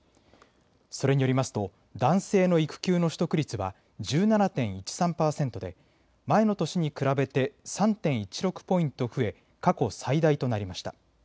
それによりますと男性の育休の取得率は１７．１３％で前の年に比べて３．１６ポイント増え、過去最大となりました。